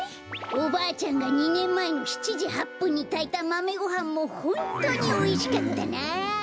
おばあちゃんが２ねんまえの７じ８ぷんにたいたマメごはんもホントにおいしかったなあ。